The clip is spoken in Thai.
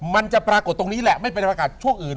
มันจะปรากฏตรงนี้แหละไม่เป็นประกาศช่วงอื่น